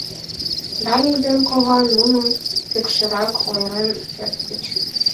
Даник ден кова нуным пыкшерак ойырен кертыч.